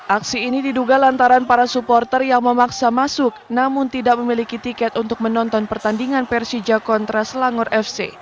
aksi ini diduga lantaran para supporter yang memaksa masuk namun tidak memiliki tiket untuk menonton pertandingan persija kontra selangor fc